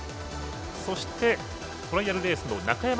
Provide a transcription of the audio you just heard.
そして、トライアルレースの中山